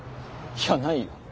いやないよ。